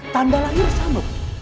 tanda lahir sama